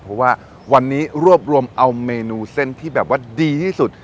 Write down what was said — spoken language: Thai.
เพราะว่าวันนี้รวบรวมเอาเมนูเส้นที่แบบว่าดีที่สุด